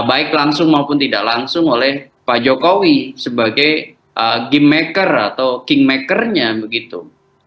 baik langsung maupun tidak langsung oleh pak jokowi sebagai game maker atau king maker nya begitu